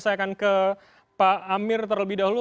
saya akan ke pak amir terlebih dahulu